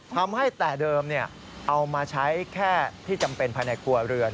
ทำให้แต่เดิมเอามาใช้แค่ที่จำเป็นภายในครัวเรือน